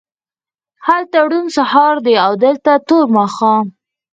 هلته روڼ سهار دی او دلته تور ماښام